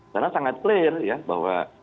karena sangat clear ya bahwa